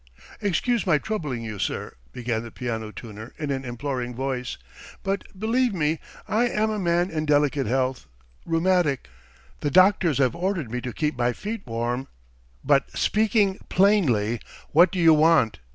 "Excuse my troubling you, sir," began the piano tuner in an imploring voice, "but, believe me, I am a man in delicate health, rheumatic. The doctors have ordered me to keep my feet warm ..." "But, speaking plainly, what do you want?"